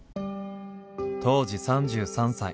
当時３３歳。